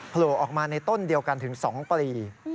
โผล่ออกมาในต้นเดียวกันถึง๒ปลี